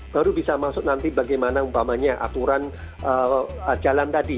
baru bisa masuk nanti bagaimana umpamanya aturan jalan tadi